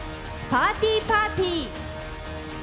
パーティーパーティー。